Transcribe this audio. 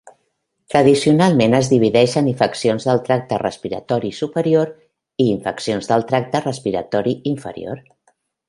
Tradicionalment, es divideixen en infeccions del tracte respiratori superior i infeccions del tracte respiratori inferior.